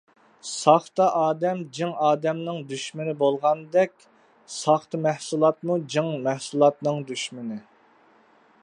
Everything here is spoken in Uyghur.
ساختا ئادەم جىڭ ئادەمنىڭ دۈشمىنى بولغاندەك، ساختا مەھسۇلات جىڭ مەھسۇلاتنىڭ دۈشمىنى.